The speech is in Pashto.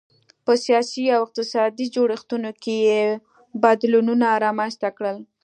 په سیاسي او اقتصادي جوړښتونو کې یې بدلونونه رامنځته کړل.